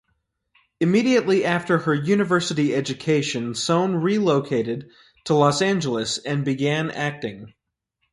Immediately after her university education Sohn relocated to Los Angeles and began acting.